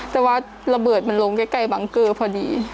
แต่ว่าระเบิดมันลงใกล้บังเกอร์พอดี